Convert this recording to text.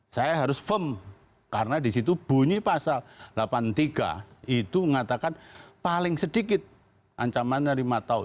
saya harus firm karena di situ bunyi pasal delapan puluh tiga itu mengatakan paling sedikit ancaman dari lima tahun